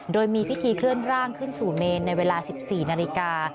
โดยมีพิธีเคลื่อนร่างขึ้นสู่เมนในเวลา๑๔นาฬิกา